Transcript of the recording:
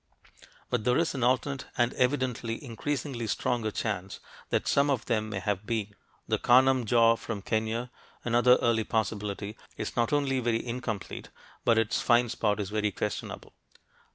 But there is an alternate and evidently increasingly stronger chance that some of them may have been. The Kanam jaw from Kenya, another early possibility, is not only very incomplete but its find spot is very questionable.